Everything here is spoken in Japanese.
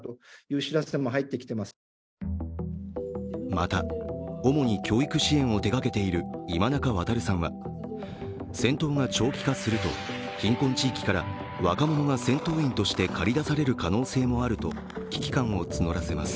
また、主に教育支援を手がけている今中航さんは戦闘が長期化すると貧困地域から若者が戦闘員として駆り出される可能性もあると危機感を募らせます。